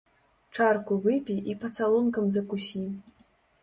Чарку выпі і пацалункам закусі.